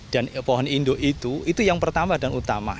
dan pohon indo itu itu yang pertama dan utama